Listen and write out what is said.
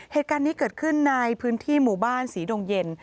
เหตุการณ์นี้เกิดขึ้นในพื้นที่หมู่บ้านศรีดงเย็น